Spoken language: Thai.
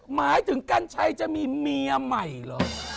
หมายถึงกัญชัยจะมีเมียใหม่เหรอ